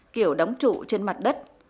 kiểu đóng trụ trên mặt đất